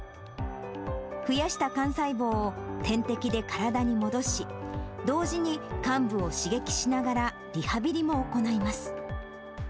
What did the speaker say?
増やした幹細胞を点滴で体に戻し、同時に、患部を刺激しながらリハビリも行います。